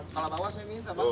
kalau bawa saya minta bawa